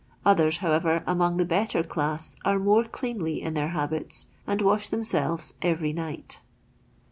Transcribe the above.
Others, however, among the better class are more cleanly in their habits, and wash tbeuiselves every night.